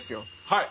はい。